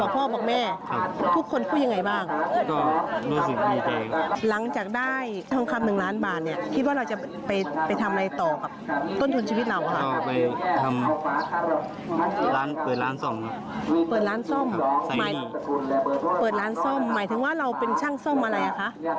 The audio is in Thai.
เปิดร้านซ่อมหมายถึงว่าเราเป็นช่างซ่อมอะไรอ่ะคะ